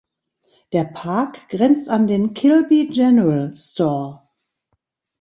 Der Park grenzt an den „Kilby General Store“.